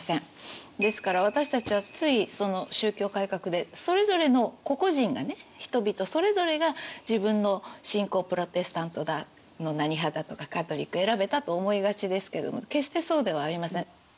ですから私たちはついその宗教改革でそれぞれの個々人がね人々それぞれが自分の信仰プロテスタントだの何派だとかカトリック選べたと思いがちですけども決してそうではありません。